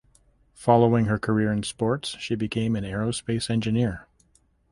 Following her career in sports she became an aerospace engineer.